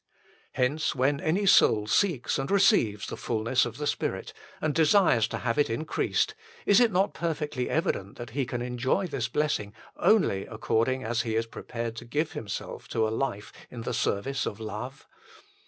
Hence, when any soul seeks and receives 116 THE FULL BLESSING OF PENTECOST the fulness of the Spirit, and desires to have it increased, is it not perfectly evident that he can enjoy this blessing only according as he is prepared to give himself to a life in the service of love